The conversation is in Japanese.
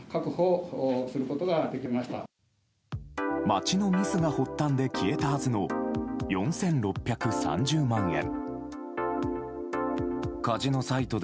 町のミスが発端で消えたはずの４６３０万円。